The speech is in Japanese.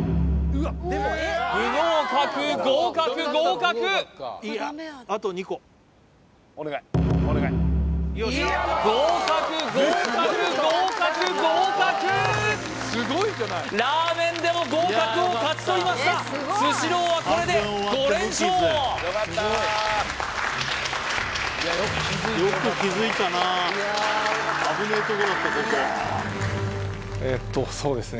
不合格合格合格合格合格合格合格ラーメンでも合格を勝ち取りましたスシローはこれで５連勝えとそうですね